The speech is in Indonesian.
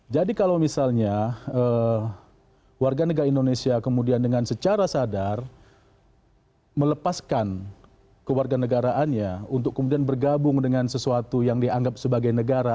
jadi kalau misalnya warga negara indonesia kemudian dengan secara sadar melepaskan kewarga negaraannya untuk kemudian bergabung dengan sesuatu yang dianggap sebagai negara